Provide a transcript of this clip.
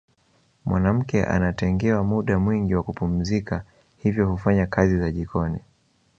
Mwanamke anatengewa muda mwingi wa kupumzika hivyo hufanya kazi za jikoni